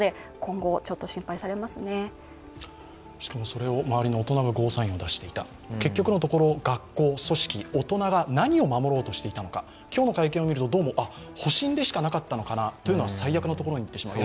それを周りの大人がゴーサインを出していた結局のところ、学校、組織、大人が何を守ろうとしていたのか、今日の会見を見るとどうも保身でしかなかったのかなという最悪のところにいってしまう。